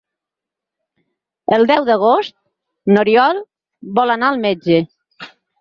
El deu d'agost n'Oriol vol anar al metge.